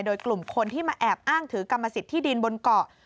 โดยกลุ่มคนที่มาแอบอ้างถือกรรมสิทธิดินบนเกาะ